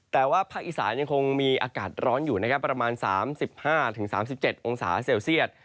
แต่ว่าภาคอีสานยังคงมีอากาศร้อนอยู่นะครับประมาณ๓๕๓๗องศาเซลเซียต